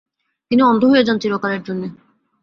তিনি অন্ধ হয়ে যান চীরকালের জন্যে।